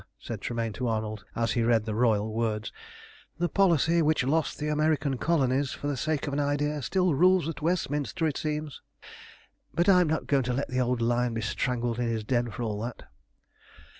"Ah!" said Tremayne to Arnold, as he read the royal words, "the policy which lost the American Colonies for the sake of an idea still rules at Westminster, it seems. But I'm not going to let the old Lion be strangled in his den for all that.